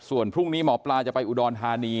ส่วนพรุ่งนี้หมอปลาจะไปอุดรธานี